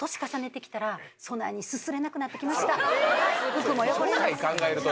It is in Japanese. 服も汚れますし。